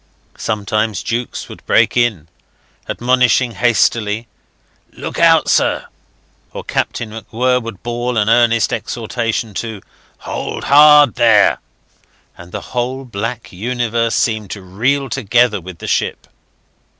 Sometimes Jukes would break in, admonishing hastily: "Look out, sir!" or Captain MacWhirr would bawl an earnest exhortation to "Hold hard, there!" and the whole black universe seemed to reel together with the ship.